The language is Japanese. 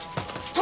殿。